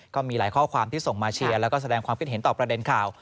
ก็มีหลายข้อความที่ส่งมาเชียร์แล้วก็แสดงความคิดเห็นต่อประเด็นข่าว